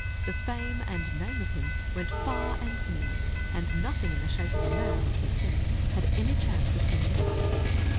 The fame and name of him went far and near; and nothing in the shape of a man, it was said, had any chance with him in a fight.